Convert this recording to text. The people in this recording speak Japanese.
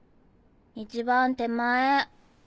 一番手前。